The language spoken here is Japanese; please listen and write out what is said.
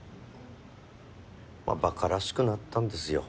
まあばからしくなったんですよ